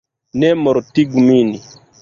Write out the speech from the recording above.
Ne mortigu min!